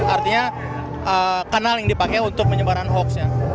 artinya kanal yang dipakai untuk penyebaran hoax ya